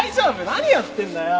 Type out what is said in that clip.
何やってんだよ！